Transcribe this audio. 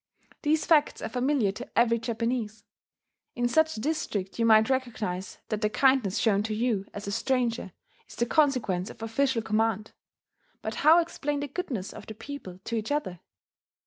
These facts are familiar to every Japanese. In such a district, you might recognize that the kindness shown to you, as a stranger, is the consequence of official command; but how explain the goodness of the people to each other?